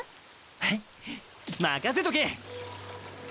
ヘッ任せとけ！